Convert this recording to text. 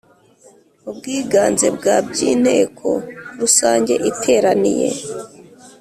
ubwiganze bwa by Inteko Rusange iteraniye